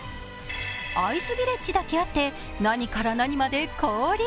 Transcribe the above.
アイスヴィレッジだけあって何から何まで氷。